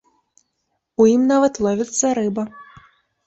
У ім нават ловіцца рыба.